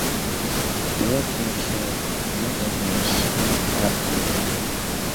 Doedd dim lle yn y maes parcio.